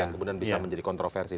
kemudian bisa menjadi kontroversi